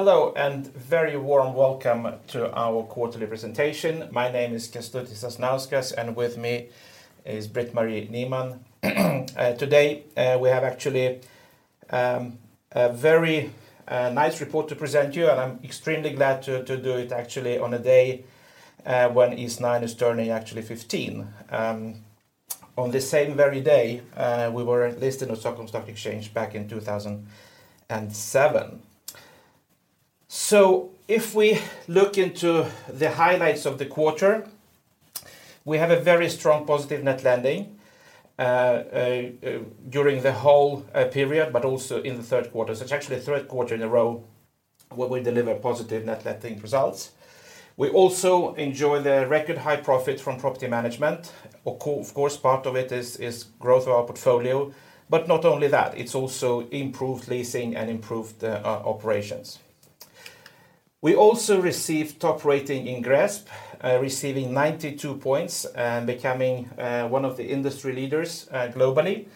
Hello, very warm welcome to our quarterly presentation. My name is Kęstutis Sasnauskas, and with me is Britt-Marie Nyman. Today, we have actually a very nice report to present you, and I'm extremely glad to do it actually on a day when Eastnine is turning actually 15. On the same very day, we were listed on Stockholm Stock Exchange back in 2007. If we look into the highlights of the quarter, we have a very strong positive net letting during the whole period, but also in the third quarter. It's actually the third quarter in a row where we deliver positive net letting results. We also enjoy the record high profit from property management. Of course, part of it is growth of our portfolio, but not only that, it's also improved leasing and improved operations. We also received top rating in GRESB, receiving 92 points and becoming one of the industry leaders globally.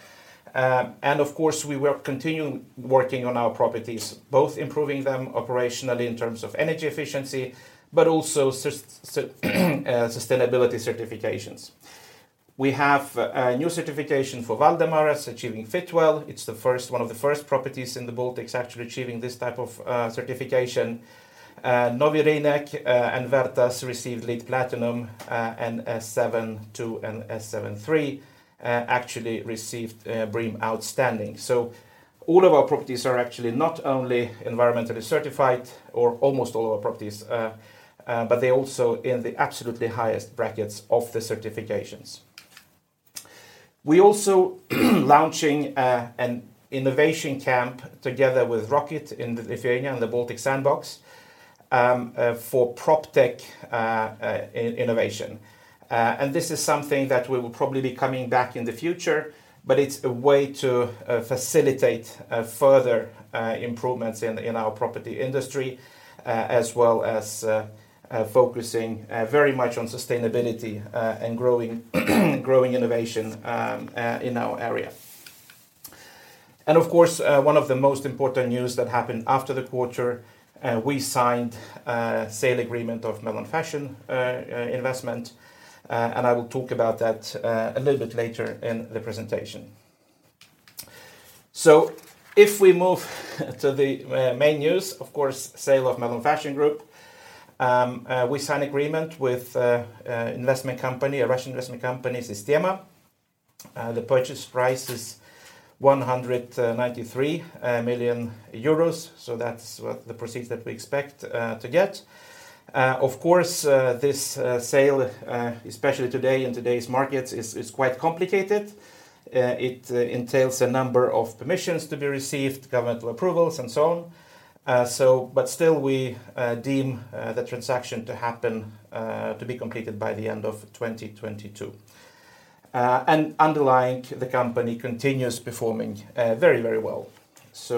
Of course, we will continue working on our properties, both improving them operationally in terms of energy efficiency, but also sustainability certifications. We have a new certification for Valdemara achieving Fitwel. It's one of the first properties in the Baltics actually achieving this type of certification. Nowy Rynek and Vertas received LEED Platinum, and S7-2 and S7-3 actually received BREEAM Outstanding. All of our properties are actually not only environmentally certified or almost all of our properties, but they're also in the absolutely highest brackets of the certifications. We also launching an innovation camp together with ROCKIT in Lithuania and the Baltic Sandbox for PropTech innovation. This is something that we will probably be coming back in the future, but it's a way to facilitate further improvements in our property industry as well as focusing very much on sustainability and growing innovation in our area. Of course, one of the most important news that happened after the quarter, we signed a sale agreement of Melon Fashion investment, and I will talk about that a little bit later in the presentation. If we move to the main news, of course, sale of Melon Fashion Group. We sign agreement with investment company, a Russian investment company, Sistema. The purchase price is 193 million euros. That's what the proceeds that we expect to get. Of course, this sale, especially today in today's markets is quite complicated. It entails a number of permissions to be received, governmental approvals, and so on. But still we deem the transaction to happen to be completed by the end of 2022. Underlying the company continues performing very well. If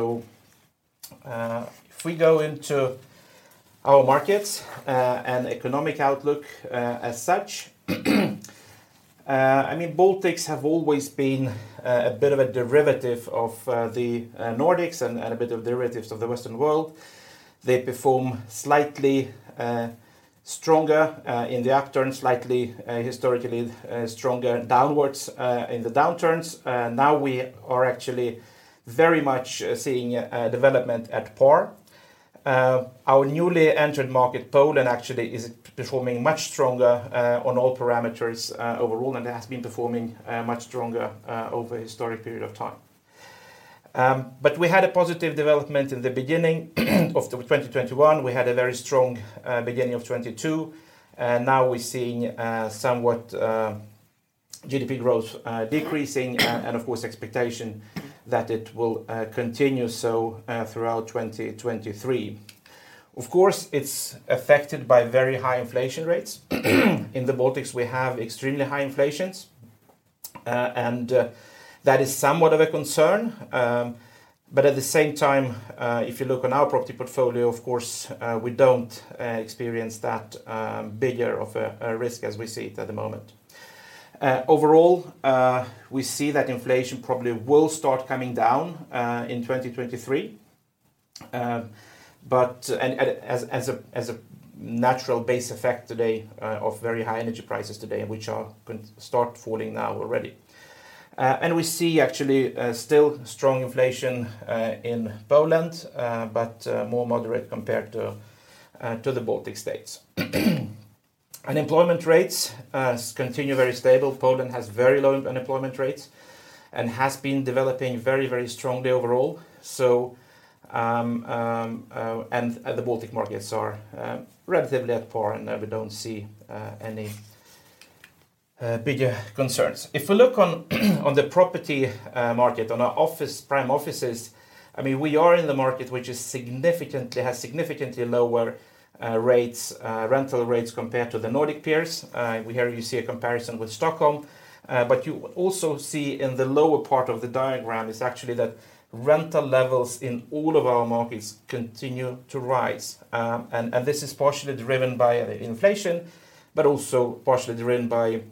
we go into our markets and economic outlook, as such, I mean, Baltics have always been a bit of a derivative of the Nordics and a bit of derivatives of the Western world. They perform slightly stronger in the upturn, slightly historically stronger downwards in the downturns. Now we are actually very much seeing development at par. Our newly entered market, Poland, actually is performing much stronger on all parameters overall, and has been performing much stronger over a historic period of time. We had a positive development in the beginning of 2021. We had a very strong beginning of 2022. Now we're seeing somewhat GDP growth decreasing and of course expectation that it will continue so throughout 2023. Of course, it's affected by very high inflation rates. In the Baltics, we have extremely high inflation and that is somewhat of a concern. At the same time, if you look on our property portfolio, of course, we don't experience that bigger of a risk as we see it at the moment. Overall, we see that inflation probably will start coming down in 2023. As a natural base effect today of very high energy prices today, which are going to start falling now already. We see actually still strong inflation in Poland, but more moderate compared to the Baltic states. Unemployment rates continue very stable. Poland has very low unemployment rates and has been developing very, very strongly overall. The Baltic markets are relatively at par, and we don't see any bigger concerns. If we look on the property market, on our office prime offices, I mean, we are in the market which has significantly lower rental rates compared to the Nordic peers. Here you see a comparison with Stockholm. You also see in the lower part of the diagram is actually that rental levels in all of our markets continue to rise. This is partially driven by inflation. Also partially driven by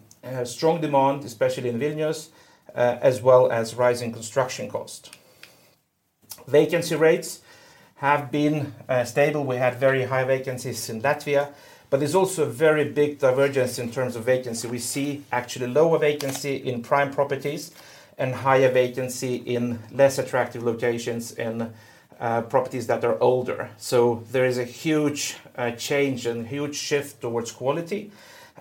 strong demand, especially in Vilnius, as well as rising construction cost. Vacancy rates have been stable. We have very high vacancies in Latvia, but there's also a very big divergence in terms of vacancy. We see actually lower vacancy in prime properties and higher vacancy in less attractive locations in properties that are older. There is a huge change and huge shift towards quality.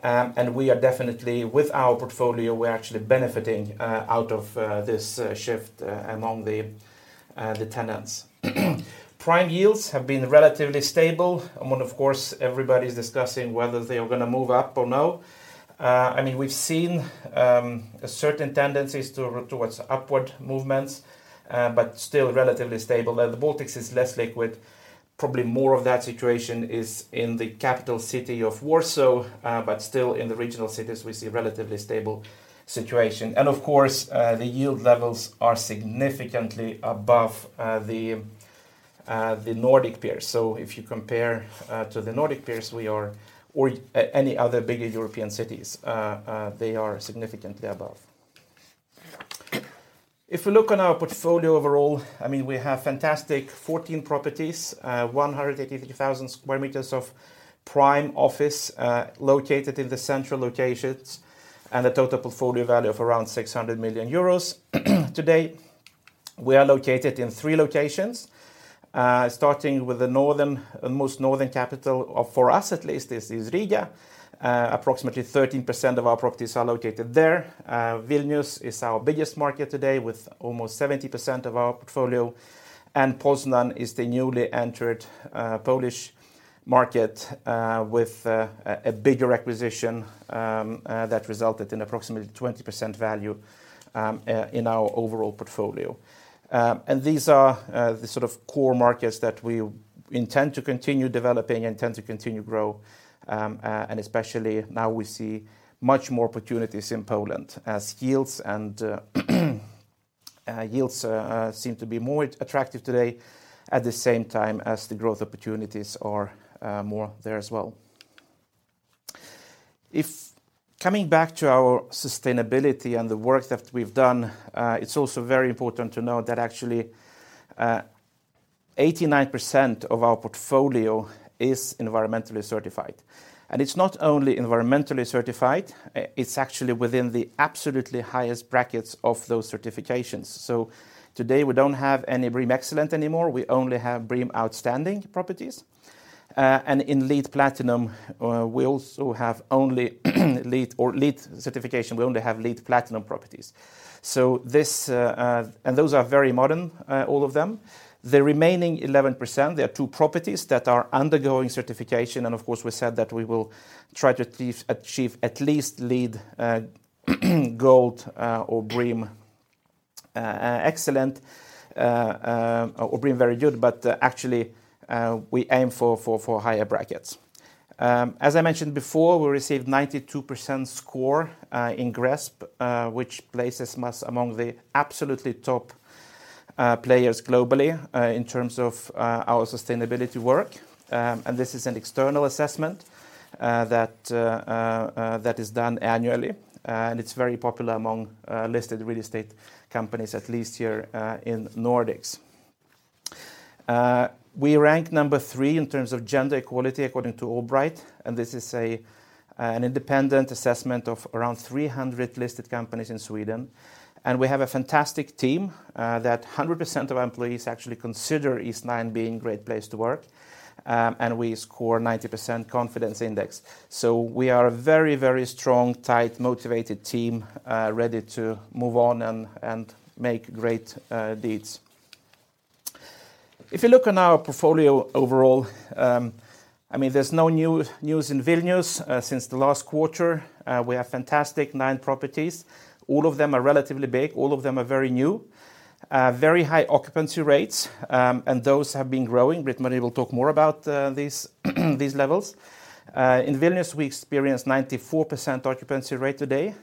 We are definitely with our portfolio, we're actually benefiting out of this shift among the tenants. Prime yields have been relatively stable. When of course, everybody's discussing whether they are gonna move up or no. I mean, we've seen certain tendencies towards upward movements, but still relatively stable. Now the Baltics is less liquid. Probably more of that situation is in the capital city of Warsaw. Still in the regional cities, we see relatively stable situation. Of course, the yield levels are significantly above the Nordic peers. If you compare to the Nordic peers or any other bigger European cities, they are significantly above. If we look on our portfolio overall, I mean, we have fantastic 14 properties. 183,000 square meters of prime office located in the central locations, and a total portfolio value of around 600 million euros. Today, we are located in three locations, starting with the most northern capital, for us at least is Riga. Approximately 13% of our properties are located there. Vilnius is our biggest market today with almost 70% of our portfolio. Poznań is the newly entered Polish market with a bigger acquisition that resulted in approximately 20% value in our overall portfolio. These are the sort of core markets that we intend to continue developing and growing. Especially now we see much more opportunities in Poland as yields seem to be more attractive today, at the same time as the growth opportunities are more there as well. Coming back to our sustainability and the work that we've done, it's also very important to know that actually 89% of our portfolio is environmentally certified. It's not only environmentally certified, it's actually within the absolutely highest brackets of those certifications. Today, we don't have any BREEAM Excellent anymore. We only have BREEAM Outstanding properties. In LEED Platinum, we also have only LEED certification. We only have LEED Platinum properties. Those are very modern, all of them. The remaining 11%, there are two properties that are undergoing certification, and of course, we said that we will try to achieve at least LEED Gold or BREEAM Excellent or BREEAM Very Good, but actually, we aim for higher brackets. As I mentioned before, we received 92% score in GRESB, which places us among the absolutely top players globally in terms of our sustainability work. This is an external assessment that is done annually. It's very popular among listed real estate companies, at least here in Nordics. We rank number three in terms of gender equality, according to AllBright, and this is an independent assessment of around 300 listed companies in Sweden. We have a fantastic team that 100% of employees actually consider Eastnine being a great place to work. We score 90% confidence index. We are a very, very strong, tight, motivated team ready to move on and make great deals. If you look on our portfolio overall, I mean, there's no news in Vilnius since the last quarter. We have fantastic nine properties. All of them are relatively big. All of them are very new. Very high occupancy rates and those have been growing. Britt-Marie Nyman will talk more about these levels. In Vilnius, we experience 94% occupancy rate today,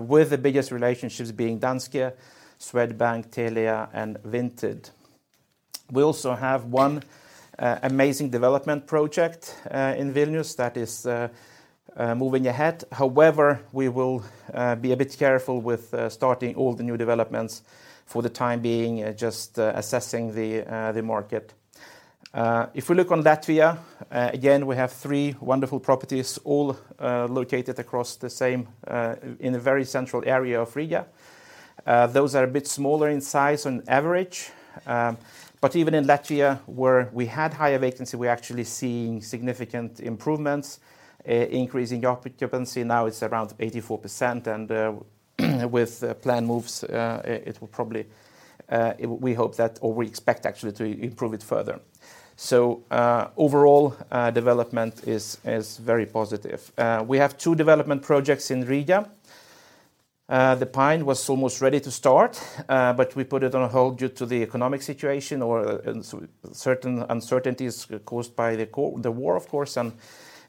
with the biggest relationships being Danske, Swedbank, Telia, and Vinted. We also have one amazing development project in Vilnius that is moving ahead. However, we will be a bit careful with starting all the new developments for the time being, just assessing the market. If we look in Latvia, again, we have three wonderful properties all located in the same very central area of Riga. Those are a bit smaller in size on average. But even in Latvia, where we had higher vacancy, we're actually seeing significant improvements, increasing occupancy. Now it's around 84%. With planned moves, it will probably. We expect actually to improve it further. Overall, development is very positive. We have two development projects in Riga. The Pine was almost ready to start, but we put it on hold due to the economic situation or certain uncertainties caused by the war, of course, and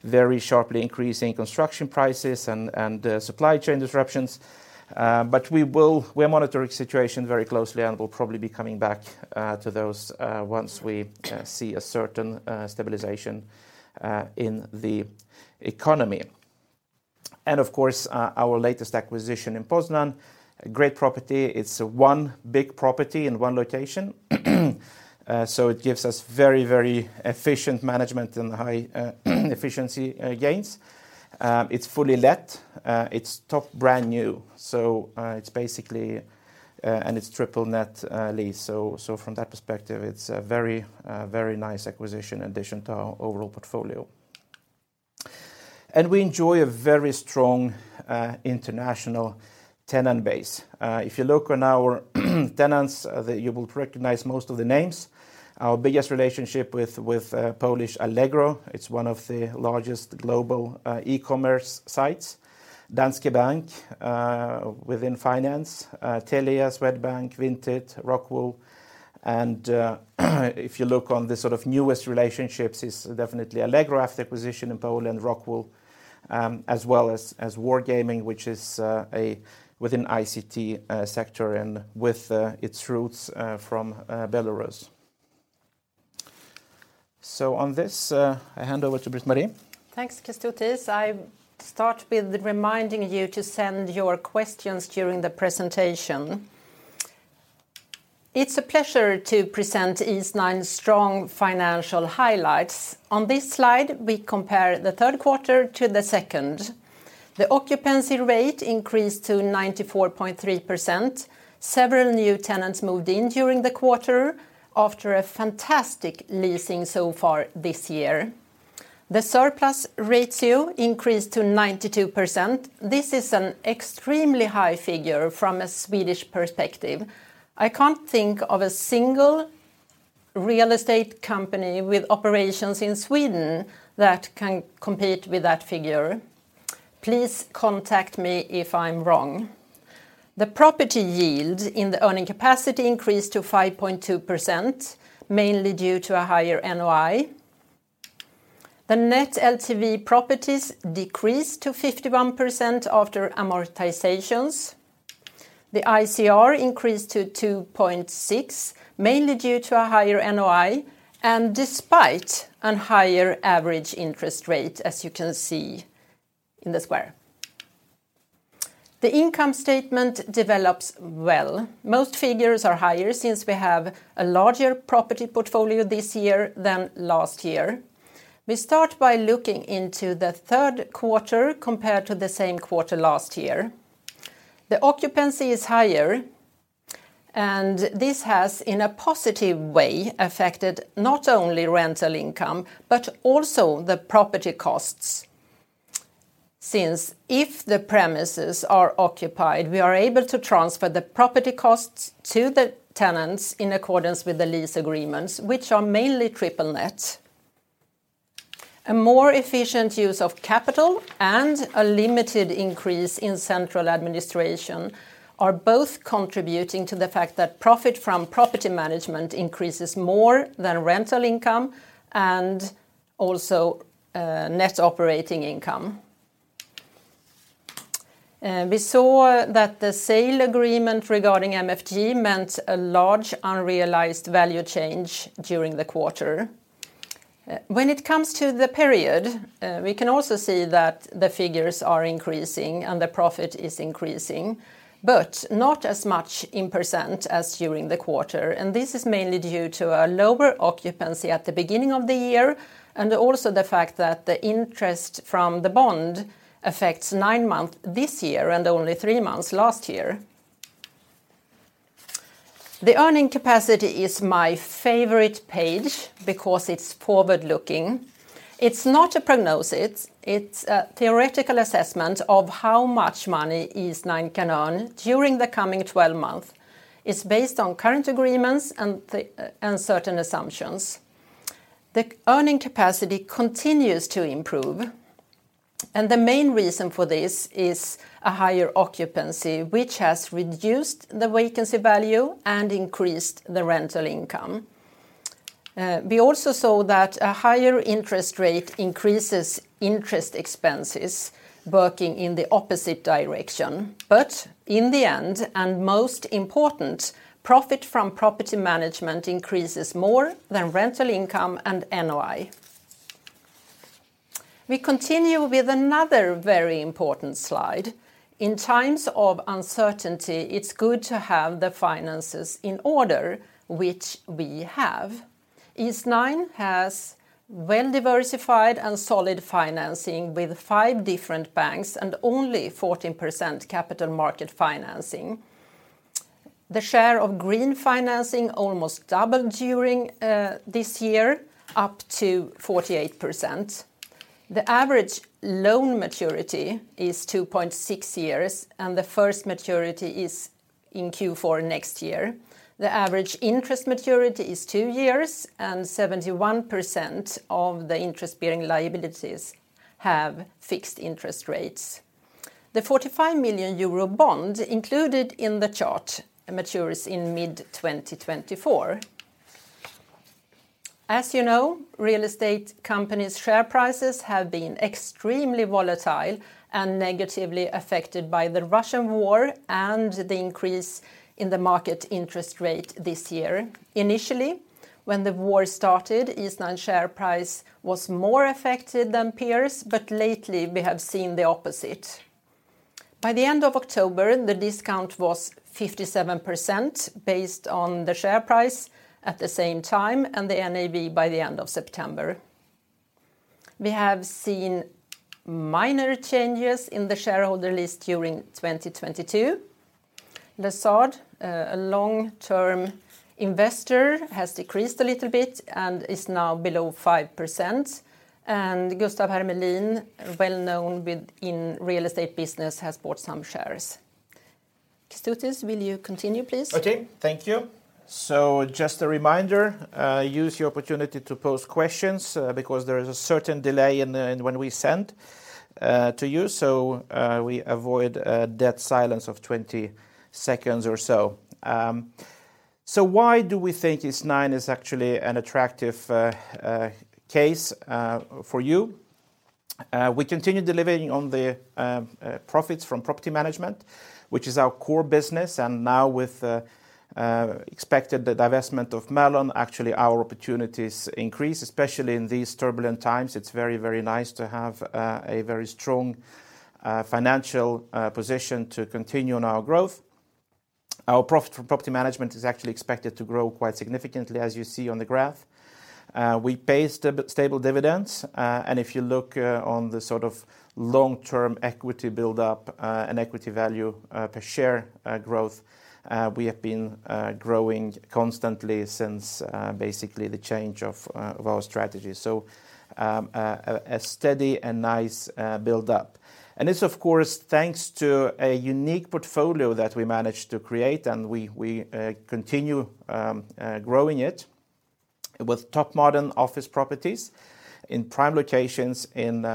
very sharply increasing construction prices and supply chain disruptions. We are monitoring the situation very closely, and we'll probably be coming back to those once we see a certain stabilization in the economy. Of course, our latest acquisition in Poznań, great property. It's one big property in one location. So it gives us very, very efficient management and high efficiency gains. It's fully let. It's top brand-new, so it's basically. It's triple-net lease. From that perspective, it's a very nice acquisition addition to our overall portfolio. We enjoy a very strong international tenant base. If you look at our tenants, you will recognize most of the names. Our biggest relationship with Polish Allegro. It's one of the largest global e-commerce sites. Danske Bank within finance, Telia, Swedbank, Vinted, Rockwool. If you look at the sort of newest relationships, it's definitely Allegro after acquisition in Poland, Rockwool, as well as Wargaming, which is within ICT sector and with its roots from Belarus. On this, I hand over to Britt-Marie. Thanks, Kęstutis. I start with reminding you to send your questions during the presentation. It's a pleasure to present Eastnine's strong financial highlights. On this slide, we compare the third quarter to the second. The occupancy rate increased to 94.3%. Several new tenants moved in during the quarter after a fantastic leasing so far this year. The surplus ratio increased to 92%. This is an extremely high figure from a Swedish perspective. I can't think of a single real estate company with operations in Sweden that can compete with that figure. Please contact me if I'm wrong. The property yield in the earning capacity increased to 5.2%, mainly due to a higher NOI. The net LTV properties decreased to 51% after amortizations. The ICR increased to 2.6, mainly due to a higher NOI, and despite a higher average interest rate, as you can see in the square. The income statement develops well. Most figures are higher since we have a larger property portfolio this year than last year. We start by looking into the third quarter compared to the same quarter last year. The occupancy is higher, and this has, in a positive way, affected not only rental income but also the property costs, since if the premises are occupied, we are able to transfer the property costs to the tenants in accordance with the lease agreements, which are mainly triple-net. A more efficient use of capital and a limited increase in central administration are both contributing to the fact that profit from property management increases more than rental income and also net operating income. We saw that the sale agreement regarding MFG meant a large unrealized value change during the quarter. When it comes to the period, we can also see that the figures are increasing and the profit is increasing, but not as much in % as during the quarter. This is mainly due to a lower occupancy at the beginning of the year, and also the fact that the interest from the bond affects nine months this year and only three months last year. The earning capacity is my favorite page because it's forward-looking. It's not a prognosis. It's a theoretical assessment of how much money Eastnine can earn during the coming 12 months. It's based on current agreements and certain assumptions. The earning capacity continues to improve, and the main reason for this is a higher occupancy, which has reduced the vacancy value and increased the rental income. We also saw that a higher interest rate increases interest expenses working in the opposite direction. In the end, and most important, profit from property management increases more than rental income and NOI. We continue with another very important slide. In times of uncertainty, it's good to have the finances in order, which we have. Eastnine has well-diversified and solid financing with five different banks and only 14% capital market financing. The share of green financing almost doubled during this year, up to 48%. The average loan maturity is 2.6 years, and the first maturity is in Q4 next year. The average interest maturity is two years, and 71% of the interest-bearing liabilities have fixed interest rates. The 45 million euro bond included in the chart matures in mid-2024. As you know, real estate companies share prices have been extremely volatile and negatively affected by the Russian war and the increase in the market interest rate this year. Initially, when the war started, Eastnine share price was more affected than peers, but lately, we have seen the opposite. By the end of October, the discount was 57% based on the share price at the same time, and the NAV by the end of September. We have seen minor changes in the shareholder list during 2022. The third long term investor has decreased a little bit and is now below 5%, and Gustaf Hermelin, well-known within real estate business, has bought some shares. Kęstutis, will you continue, please? Okay, thank you. Just a reminder, use your opportunity to pose questions, because there is a certain delay in when we send to you, so we avoid a dead silence of 20 seconds or so. Why do we think Eastnine is actually an attractive case for you? We continue delivering on the profits from property management, which is our core business, and now with expected the divestment of Melon, actually our opportunities increase, especially in these turbulent times. It's very, very nice to have a very strong financial position to continue on our growth. Our profit from property management is actually expected to grow quite significantly, as you see on the graph. We pay stable dividends, and if you look on the sort of long-term equity build-up and equity value per share growth, we have been growing constantly since basically the change of our strategy. A steady and nice build-up. It's of course thanks to a unique portfolio that we managed to create, and we continue growing it with top modern office properties in prime locations in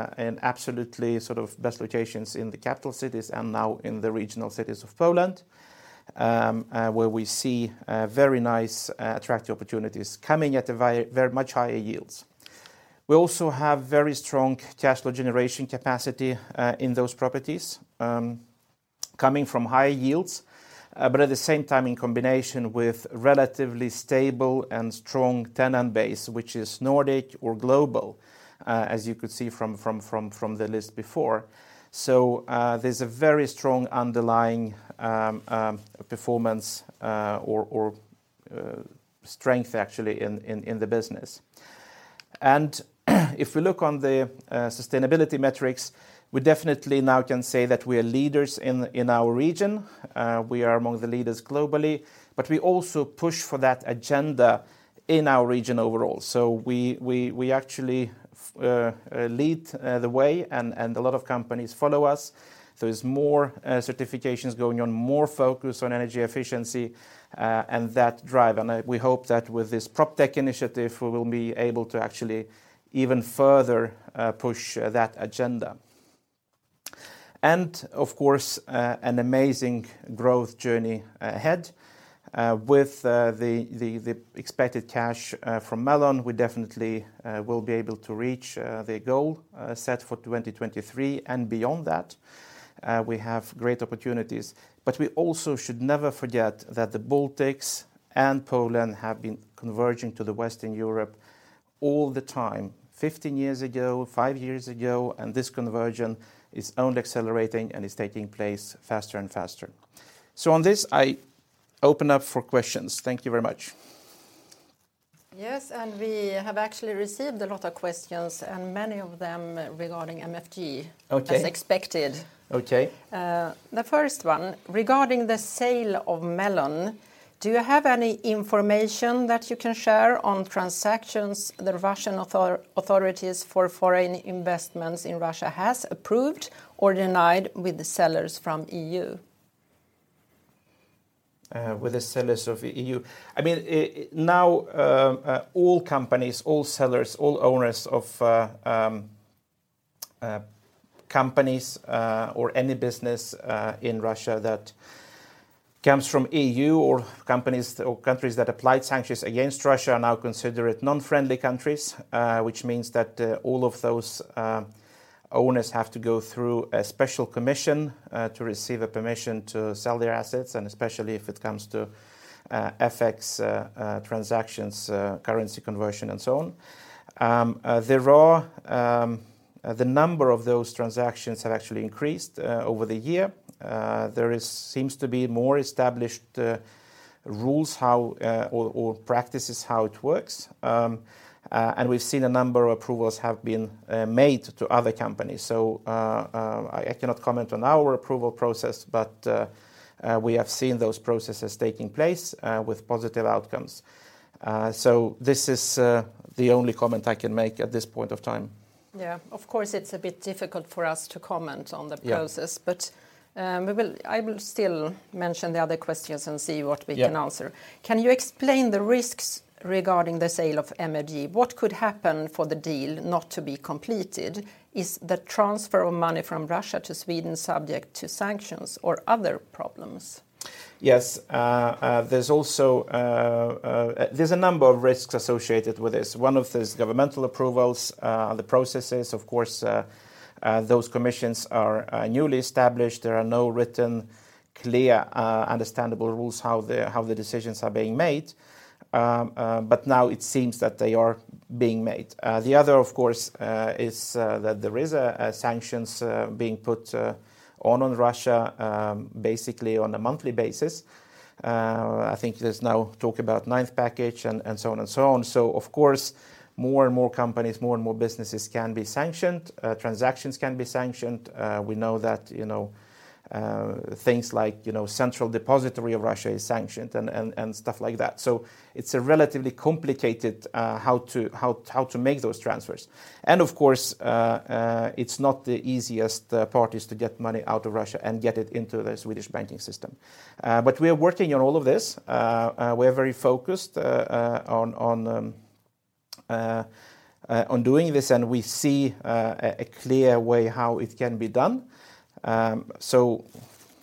absolutely sort of best locations in the capital cities and now in the regional cities of Poland, where we see very nice attractive opportunities coming at a very much higher yields. We also have very strong cash flow generation capacity in those properties, coming from high yields, but at the same time in combination with relatively stable and strong tenant base, which is Nordic or global, as you could see from the list before. There's a very strong underlying performance, or strength actually in the business. If we look on the sustainability metrics, we definitely now can say that we are leaders in our region. We are among the leaders globally, but we also push for that agenda in our region overall. We actually lead the way and a lot of companies follow us. There's more certifications going on, more focus on energy efficiency, and that drive. We hope that with this PropTech initiative, we will be able to actually even further push that agenda. Of course, an amazing growth journey ahead with the expected cash from Melon, we definitely will be able to reach the goal set for 2023 and beyond that. We have great opportunities, but we also should never forget that the Baltics and Poland have been converging to Western Europe all the time, 15 years ago, 5 years ago, and this convergence is only accelerating and is taking place faster and faster. On this, I open up for questions. Thank you very much. Yes, we have actually received a lot of questions, and many of them regarding MFG. Okay as expected. Okay. The first one, regarding the sale of Melon, do you have any information that you can share on transactions the Russian authorities for foreign investments in Russia has approved or denied with the sellers from EU? With the sellers from the EU. I mean, now all companies, all sellers, all owners of companies or any business in Russia that comes from EU or companies or countries that applied sanctions against Russia are now considered unfriendly countries, which means that all of those owners have to go through a special commission to receive permission to sell their assets, and especially if it comes to FX transactions, currency conversion and so on. The number of those transactions have actually increased over the year. There seems to be more established rules or practices how it works. We've seen a number of approvals have been made to other companies. I cannot comment on our approval process, but we have seen those processes taking place with positive outcomes. This is the only comment I can make at this point of time. Yeah. Of course, it's a bit difficult for us to comment on the process. Yeah. I will still mention the other questions and see what we can answer. Yeah. Can you explain the risks regarding the sale of MFG? What could happen for the deal not to be completed? Is the transfer of money from Russia to Sweden subject to sanctions or other problems? Yes, there's also a number of risks associated with this. One of these governmental approvals, the processes, of course, those commissions are newly established. There are no written clear, understandable rules how the decisions are being made. Now it seems that they are being made. The other, of course, is that there is sanctions being put on Russia, basically on a monthly basis. I think there's now talk about ninth package and so on. Of course, more and more companies, more and more businesses can be sanctioned, transactions can be sanctioned. We know that, you know, things like, you know, central depository of Russia is sanctioned and stuff like that. It's a relatively complicated how to make those transfers. Of course, it's not the easiest parties to get money out of Russia and get it into the Swedish banking system. We are working on all of this. We are very focused on doing this, and we see a clear way how it can be done. I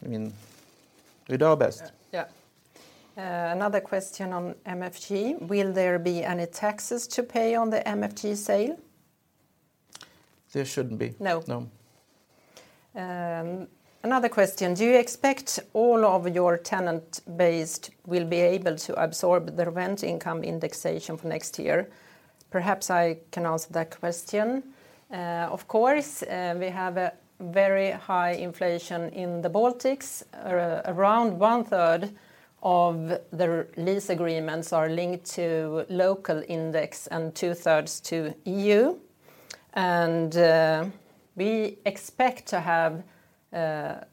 mean, we do our best. Yeah. Another question on MFG. Will there be any taxes to pay on the MFG sale? There shouldn't be. No? No. Another question. Do you expect all of your tenant base will be able to absorb the rent income indexation for next year? Perhaps I can answer that question. Of course, we have a very high inflation in the Baltics. Around one third of the lease agreements are linked to local index and two thirds to EU. We expect to have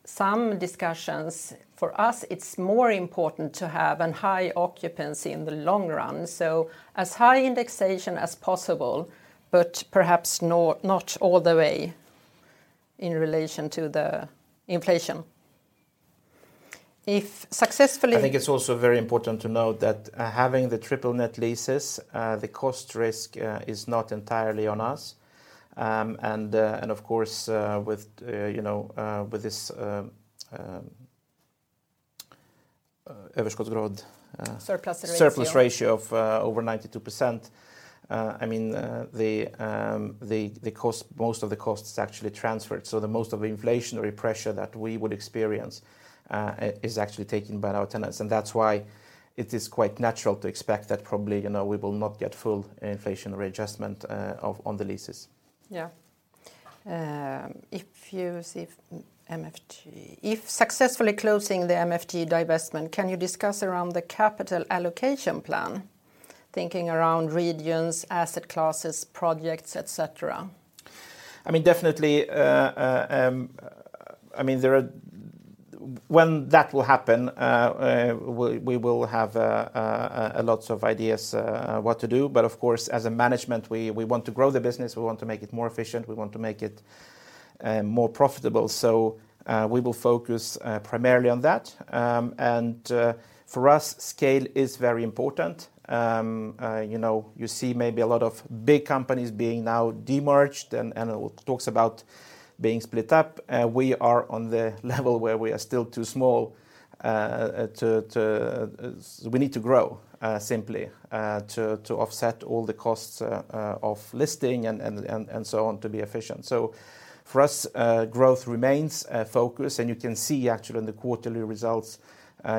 some discussions. For us, it's more important to have a high occupancy in the long run, so as high indexation as possible, but perhaps not all the way in relation to the inflation. If successfully. I think it's also very important to note that, having the triple-net leases, the cost risk is not entirely on us. Of course, with you know, with this, Överskottsgrad, surplus ratio surplus ratio of over 92%, I mean, most of the cost is actually transferred. The most of the inflationary pressure that we would experience is actually taken by our tenants, and that's why it is quite natural to expect that probably, you know, we will not get full inflationary adjustment on the leases. If successfully closing the MFG divestment, can you discuss around the capital allocation plan, thinking around regions, asset classes, projects, et cetera? I mean, definitely, when that will happen, we will have lots of ideas what to do. Of course, as a management, we want to grow the business. We want to make it more efficient. We want to make it more profitable. We will focus primarily on that. For us, scale is very important. You know, you see maybe a lot of big companies being now de-merged and talks about being split up. We are on the level where we are still too small. We need to grow simply to offset all the costs of listing and so on to be efficient. For us, growth remains a focus. You can see actually in the quarterly results,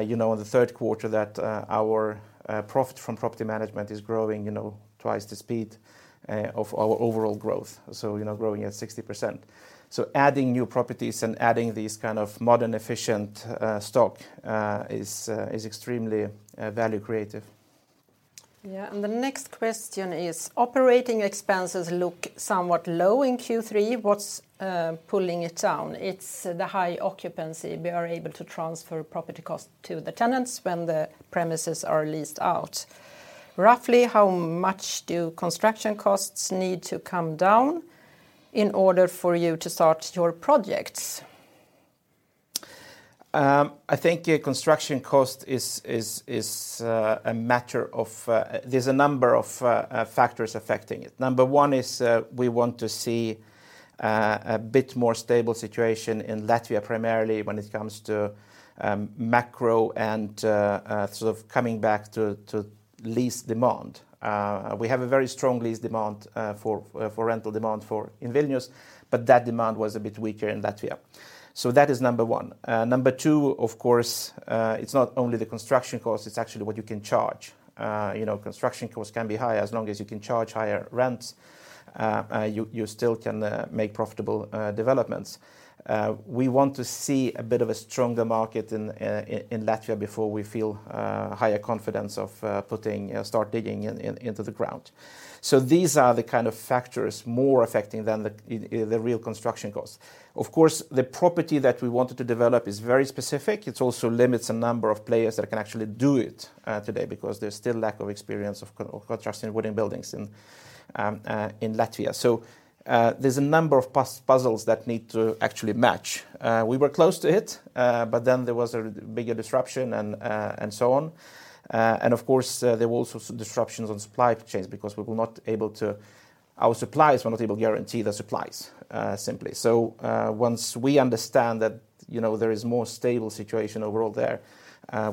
you know, in the third quarter that our profit from property management is growing, you know, twice the speed of our overall growth, so you know, growing at 60%. Adding new properties and adding these kind of modern efficient stock is extremely value creative. Yeah. The next question is, operating expenses look somewhat low in Q3. What's pulling it down? It's the high occupancy. We are able to transfer property cost to the tenants when the premises are leased out. Roughly how much do construction costs need to come down in order for you to start your projects? I think construction cost is a matter of. There's a number of factors affecting it. Number one is we want to see a bit more stable situation in Latvia, primarily when it comes to macro and sort of coming back to lease demand. We have a very strong lease demand for rental demand for in Vilnius, but that demand was a bit weaker in Latvia. That is number one. Number two, of course, it's not only the construction cost, it's actually what you can charge. You know, construction cost can be high. As long as you can charge higher rents, you still can make profitable developments. We want to see a bit of a stronger market in Latvia before we feel higher confidence of start digging into the ground. These are the kind of factors more affecting than the real construction cost. Of course, the property that we wanted to develop is very specific. It also limits the number of players that can actually do it today because there's still lack of experience of constructing wooden buildings in Latvia. There's a number of puzzles that need to actually match. We were close to it, but then there was a bigger disruption and so on. Of course, there were also some disruptions on supply chains because we were not able to. Our suppliers were not able to guarantee the supplies simply. Once we understand that, you know, there is more stable situation overall there,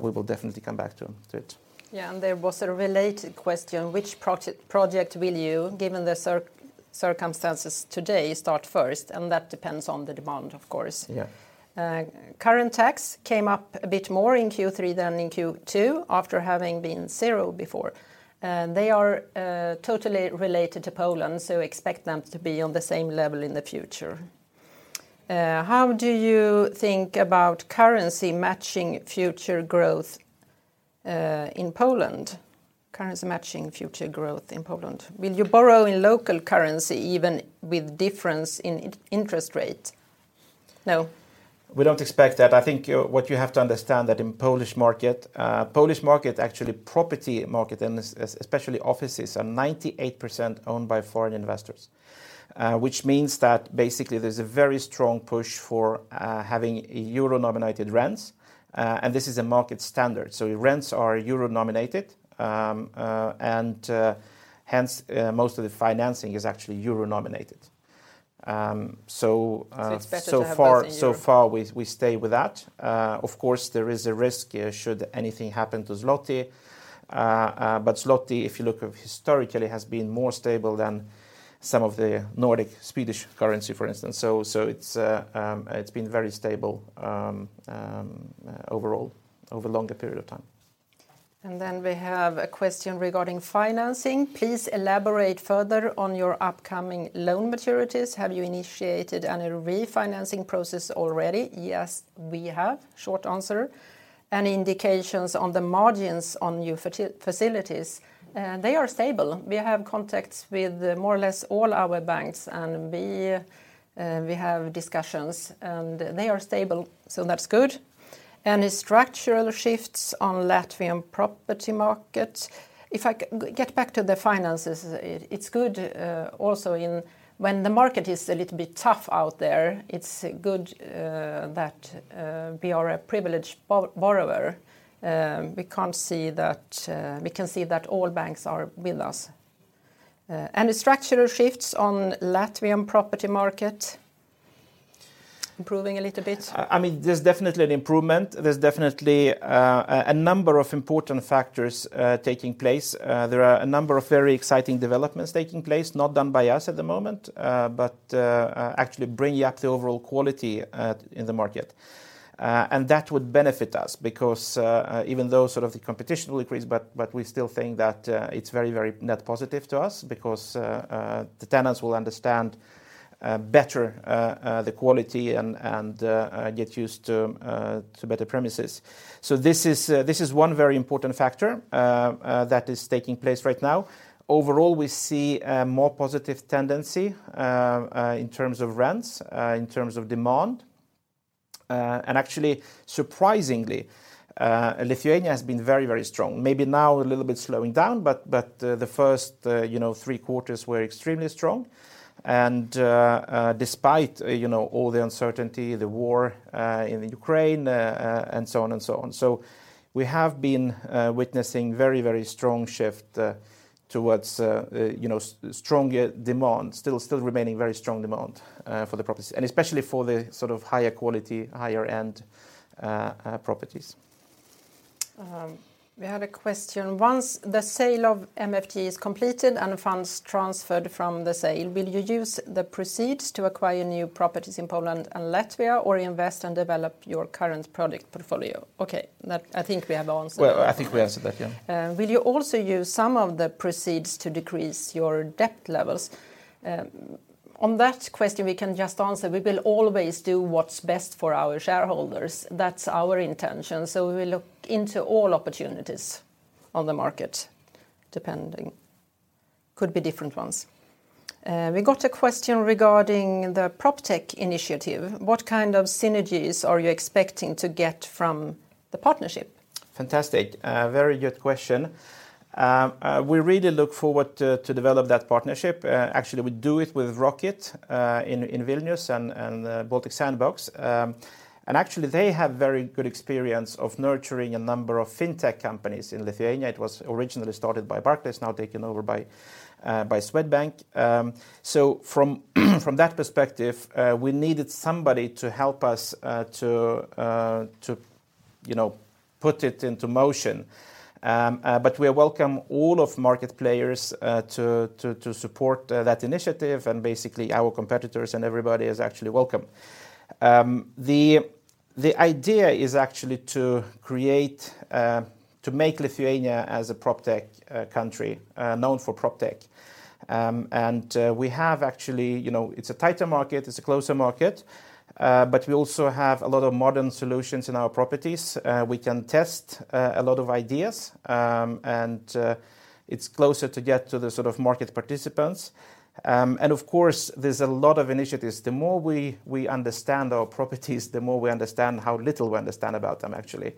we will definitely come back to it. Yeah, there was a related question. Which project will you, given the circumstances today, start first? That depends on the demand, of course. Yeah. Current tax came up a bit more in Q3 than in Q2 after having been zero before. They are totally related to Poland, so expect them to be on the same level in the future. How do you think about currency matching future growth in Poland? Currency matching future growth in Poland. Will you borrow in local currency even with difference in interest rate? No. We don't expect that. I think what you have to understand that in Polish market, actually property market and especially offices, are 98% owned by foreign investors, which means that basically there's a very strong push for having euro-nominated rents, and this is a market standard. Rents are euro-nominated, and hence most of the financing is actually euro-nominated. You expect it to have those in euro. So far we stay with that. Of course, there is a risk, should anything happen to złoty. Złoty, if you look historically, has been more stable than some of the Nordic, Swedish currency, for instance. It's been very stable overall, over a longer period of time. We have a question regarding financing. Please elaborate further on your upcoming loan maturities. Have you initiated any refinancing process already? Yes, we have, short answer. Any indications on the margins on new facilities? They are stable. We have contacts with more or less all our banks and we have discussions, and they are stable, so that's good. Any structural shifts on Latvian property market? Get back to the finances, it's good, also even when the market is a little bit tough out there, it's good, that we are a privileged borrower. We can see that all banks are with us. Any structural shifts on Latvian property market? Improving a little bit. I mean, there's definitely an improvement. There's definitely a number of important factors taking place. There are a number of very exciting developments taking place, not done by us at the moment, but actually bringing up the overall quality in the market. That would benefit us because even though sort of the competition will increase, but we still think that it's very net positive to us because the tenants will understand better the quality and get used to better premises. This is one very important factor that is taking place right now. Overall, we see a more positive tendency in terms of rents in terms of demand. Actually, surprisingly, Lithuania has been very strong. Maybe now a little bit slowing down, but the first you know three quarters were extremely strong, and despite you know all the uncertainty, the war in Ukraine, and so on and so on. We have been witnessing very strong shift towards you know stronger demand, still remaining very strong demand for the properties, and especially for the sort of higher quality, higher end properties. We have a question. Once the sale of MFG is completed and funds transferred from the sale, will you use the proceeds to acquire new properties in Poland and Latvia or invest and develop your current product portfolio? Okay. That, I think we have answered that. Well, I think we answered that, yeah. Will you also use some of the proceeds to decrease your debt levels? On that question, we can just answer, we will always do what's best for our shareholders. That's our intention. We will look into all opportunities on the market, depending. Could be different ones. We got a question regarding the PropTech initiative. What kind of synergies are you expecting to get from the partnership? Fantastic. A very good question. We really look forward to develop that partnership. Actually, we do it with ROCKIT in Vilnius and Baltic Sandbox. Actually, they have very good experience of nurturing a number of fintech companies in Lithuania. It was originally started by Barclays, now taken over by Swedbank. From that perspective, we needed somebody to help us to, you know, put it into motion. We welcome all market players to support that initiative and basically our competitors and everybody is actually welcome. The idea is actually to make Lithuania as a PropTech country known for PropTech. We have actually, you know. It's a tighter market, it's a closer market, but we also have a lot of modern solutions in our properties. We can test a lot of ideas, and it's closer to get to the sort of market participants. Of course, there's a lot of initiatives. The more we understand our properties, the more we understand how little we understand about them actually,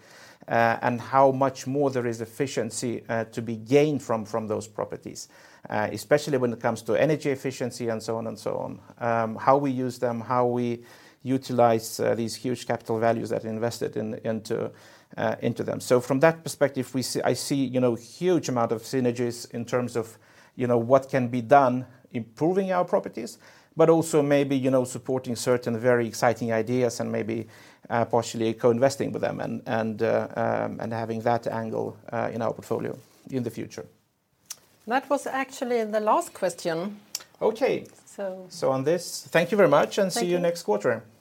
and how much more there is efficiency to be gained from those properties, especially when it comes to energy efficiency and so on and so on. How we use them, how we utilize these huge capital values that are invested into them. From that perspective, we see. I see, you know, huge amount of synergies in terms of, you know, what can be done improving our properties, but also maybe, you know, supporting certain very exciting ideas and maybe, partially co-investing with them and having that angle, in our portfolio in the future. That was actually the last question. Okay. So- On this, thank you very much. Thank you. See you next quarter. Thank you.